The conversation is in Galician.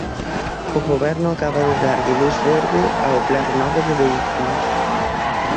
O Goberno acaba de darlle luz verde ao plan Renove de vehículos.